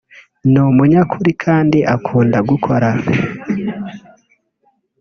ni umunyakuri kandi akunda gukora